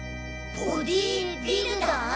ボディビルダー？